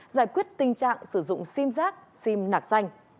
giải quyết tình trạng sử dụng sim giác sim nạc danh